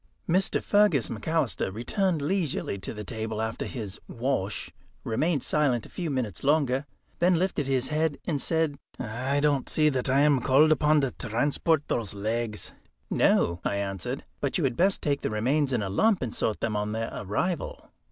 Mr. Fergus McAlister returned leisurely to the table after his "wash," remained silent a few minutes longer, then lifted his head and said: "I don't see that I am called upon to transport those legs." "No," I answered; "but you had best take the remains in a lump and sort them on their arrival."